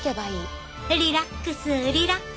リラックスリラックス。